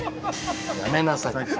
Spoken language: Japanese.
やめなさいって！